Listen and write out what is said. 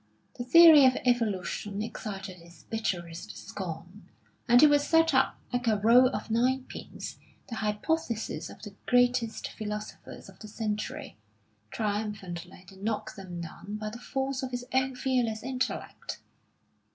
The theory of Evolution excited his bitterest scorn, and he would set up, like a row of nine pins, the hypotheses of the greatest philosophers of the century, triumphantly to knock them down by the force of his own fearless intellect.